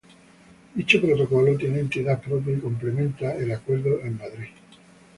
Dicho protocolo tiene entidad propia y complementa al acuerdo de Madrid.